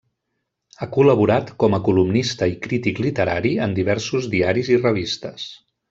Ha col·laborat com a columnista i crític literari en diversos diaris i revistes.